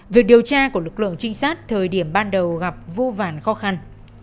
việc điều tra của lực lượng trinh sát thời điểm ban đầu gặp vô vàn khó khăn